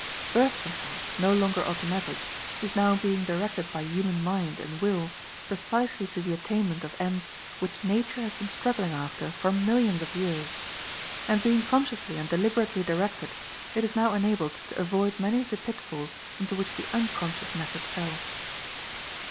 Birth control, no longer automatic, is now being directed by human mind and will precisely to the attainment of ends which Nature has been struggling after for millions of years; and, being consciously and deliberately directed, it is now enabled to avoid many of the pitfalls into which the unconscious method fell.